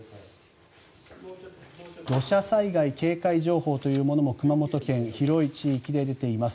土砂災害警戒情報というものも熊本県、広い地域で出ています。